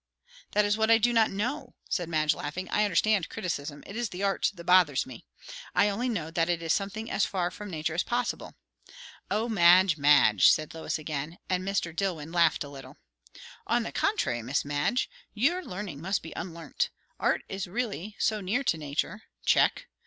"That is what I do not know!" said Madge, laughing. "I understand criticism. It is the art that bothers me. I only know that it is something as far from nature as possible." "O Madge, Madge!" said Lois again; and Mr. Dillwyn laughed a little. "On the contrary, Miss Madge. Your learning must be unlearnt. Art is really so near to nature Check!